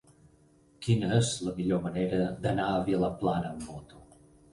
Quina és la millor manera d'anar a Vilaplana amb moto?